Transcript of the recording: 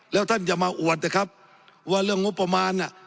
แล้วท่านจะมาอวดนะครับว่าเรื่องงบประมาณน่ะ